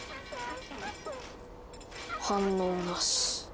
反応なし。